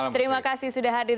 terima kasih sudah hadir